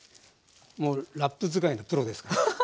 もうラップ使いのプロですから。